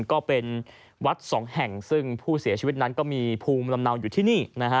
ก็เป็นวัดสองแห่งซึ่งผู้เสียชีวิตนั้นก็มีภูมิลำเนาอยู่ที่นี่นะฮะ